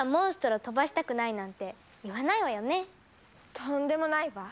とんでもないわ。